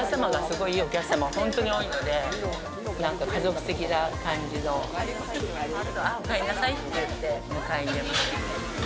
いいお客様が多いので、家族的な感じの、おかえりなさいって言って迎え入れます。